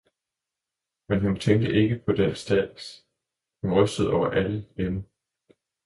men hun tænkte ikke på den stads, hun rystede over alle lemmer.